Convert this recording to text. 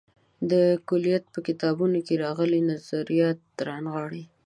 دا کُلیت په کتابونو کې راغلي نظریات رانغاړي.